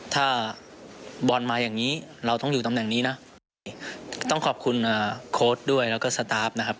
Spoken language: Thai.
ถ้าบอลมาอย่างนี้เราต้องอยู่ตำแหน่งนี้นะต้องขอบคุณโค้ดด้วยแล้วก็สตาร์ฟนะครับ